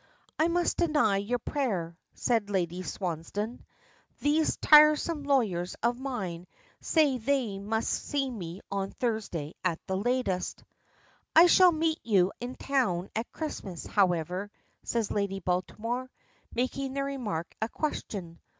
"I must deny your prayer," says Lady Swansdown. "These tiresome lawyers of mine say they must see me on Thursday at the latest." "I shall meet you in town at Christmas, however," says Lady Baltimore, making the remark a question.